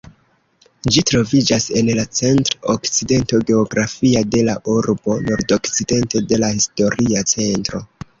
Ĝi troviĝas en la centr-okcidento geografia de la urbo, nordokcidente de la historia centro.